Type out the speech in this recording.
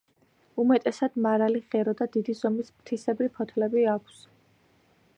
უმეტესად მარალი ღერო და დიდი ზომის ფრთისებრი ფოთლები აქვს.